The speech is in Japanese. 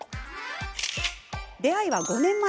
出会いは５年前。